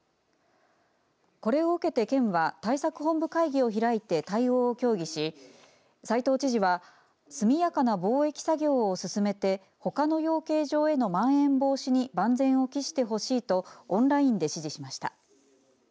これを受けて、県は対策本部会議を開いて対応を協議し斎藤知事は速やかな防疫作業を進めてほかの養鶏場へのまん延防止に万全を期してほしいとオンラインで指示しました。